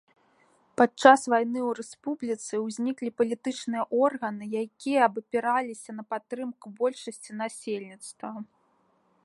Падчас вайны ў рэспубліцы ўзніклі палітычныя органы, якія абапіраліся на падтрымку большасці насельніцтва.